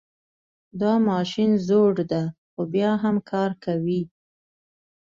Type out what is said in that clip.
دا ماشین زوړ ده خو بیا هم کار کوي